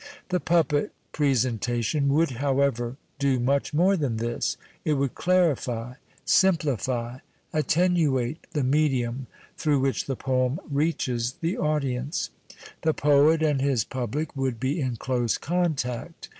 The ])tippet presentation would, however, do inurh niorc tlian this. It would clarify, simplify, 174 THE PUPPETS attenuate the mcdiiiin through which the pocru reaches the audience. The poet and his pubhe would be in close contact.